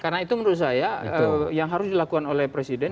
karena itu menurut saya yang harus dilakukan oleh presiden